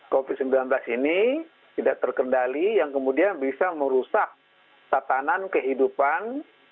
covid sembilan belas ini tidak terkendali yang kemudian bisa merusak tatanan kehidupan